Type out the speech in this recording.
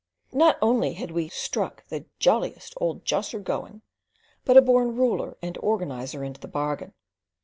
Not only had we "struck the jolliest old josser going," but a born ruler and organiser into the bargain.